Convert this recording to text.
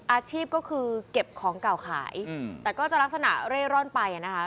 อาชีพก็คือเก็บของเก่าขายแต่ก็จะลักษณะเร่ร่อนไปนะคะ